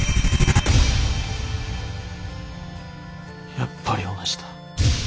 やっぱり同じだ。